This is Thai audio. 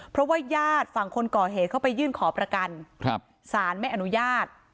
เพราะว่าญาติฝั่งคนก่อเหตุเข้าไปยื่นขอประกันสารไม่อนุญาต